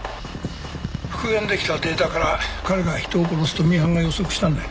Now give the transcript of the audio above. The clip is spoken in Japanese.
復元できたデータから彼が人を殺すとミハンが予測したんだよ。